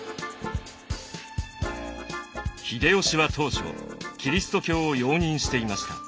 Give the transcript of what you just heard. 秀吉は当初キリスト教を容認していました。